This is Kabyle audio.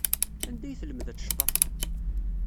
Anda ay telmed ad tecḍeḥ?